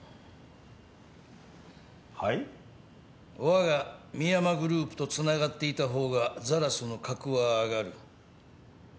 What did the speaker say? わが深山グループとつながっていた方がザラスの格は上がる。